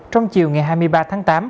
trong chiều ngày hai mươi ba tháng tám